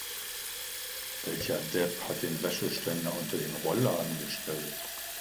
Welcher Depp hat den Wäscheständer unter den Rollladen gestellt?